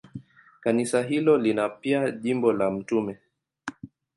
Kanisa hilo lina pia jimbo la Mt.